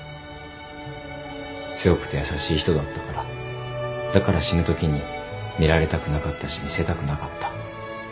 強くて優しい人だったからだから死ぬときに見られたくなかったし見せたくなかった。